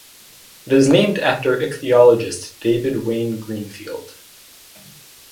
It is named after ichthyologist David Wayne Greenfield.